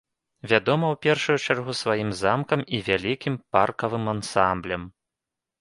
Вядома ў першую чаргу сваім замкам і вялікім паркавым ансамблем.